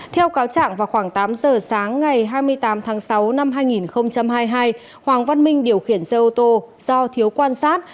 theo cáo trạng vào khoảng tám giờ sáng ngày hai mươi tám tháng sáu năm hai nghìn hai mươi hai hoàng văn minh điều khiển xe ô tô do thiếu quan sát